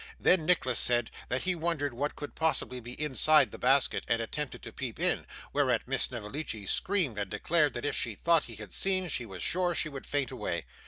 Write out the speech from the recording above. Then Nicholas said, that he wondered what could possibly be inside the basket, and attempted to peep in, whereat Miss Snevellicci screamed, and declared that if she thought he had seen, she was sure she should faint away.